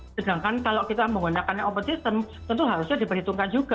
sedangkan kalau kita menggunakannya open system tentu harusnya diperhitungkan juga